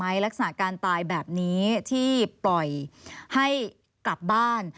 ลักษณะการตายแบบนี้ที่ปล่อยให้กลับบ้าน